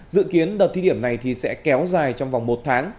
dự kiến đợt thi điểm này sẽ kéo dài trong vòng một tháng